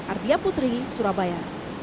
ardia putri surabaya